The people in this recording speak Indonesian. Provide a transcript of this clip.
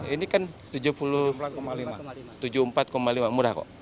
ini kan rp tujuh puluh lima juta rp tujuh puluh empat lima juta murah kok